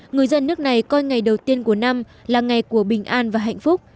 người dân nước này coi ngày đầu tiên của năm là ngày của bình an và hạnh phúc